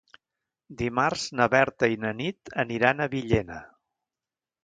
Dimarts na Berta i na Nit aniran a Villena.